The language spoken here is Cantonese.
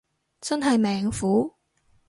真係命苦